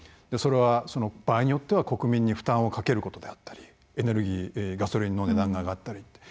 それは場合によっては国民に負担をかけることであったりガソリンの値段が上がったり。